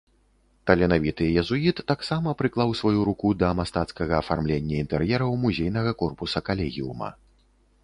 Таленавіты езуіт таксама прыклаў сваю руку да мастацкага афармлення інтэр'ераў музейнага корпуса калегіума.